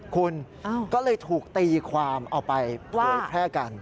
คุณก็เลยถูกตีความเอาไปเผยแพร่กัน